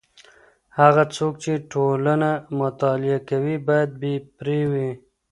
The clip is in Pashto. هغه څوک چي ټولنه مطالعه کوي بايد بې پرې وي.